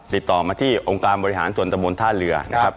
ติดต่อมาที่องค์การบริหารส่วนตะบนท่าเรือนะครับ